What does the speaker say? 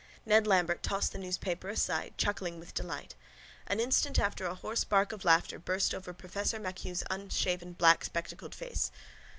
Ned Lambert tossed the newspaper aside, chuckling with delight. An instant after a hoarse bark of laughter burst over professor MacHugh's unshaven blackspectacled face.